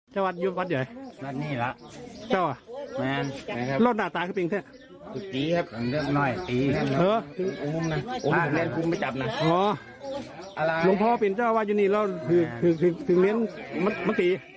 ก็อยากว่าฉันเพนด้วยกันมา